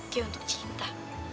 g untuk cinta